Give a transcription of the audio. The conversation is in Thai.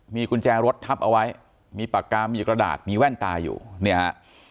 มีกุญแจรถทับเอาไว้มีปากกามีกระดาษมีแว่นตาอยู่เนี่ยฮะ